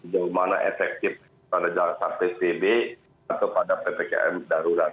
bagaimana efektif pada saat psbb atau pada ppkm darurat